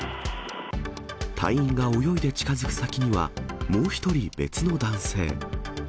隊員が泳いで近づく先には、もう１人別の男性。